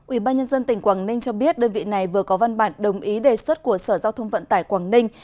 ủy ban nhân dân tỉnh quảng ninh cho biết đơn vị này vừa có văn bản đồng ý đề xuất của sở giao thông vận tải quảng ninh